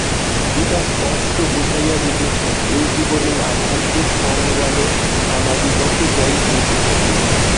গীতা স্পষ্ট বুঝাইয়া দিতেছেন, এই জীবনেই আধ্যাত্মিক সংগ্রামে আমাদিগকে জয়ী হইতে হইবে।